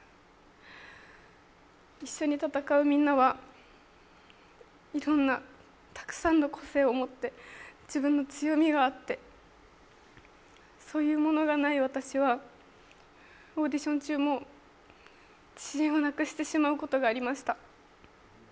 一緒に戦うみんなは、いろんなたくさんの個性を持って自分の強みがあって、そういうものがない私はオーディション中も自信をなくしてしまうことがありました。